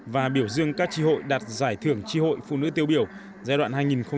và biểu dương các tri hội đạt giải thưởng tri hội phụ nữ tiêu biểu giai đoạn hai nghìn tám hai nghìn một mươi tám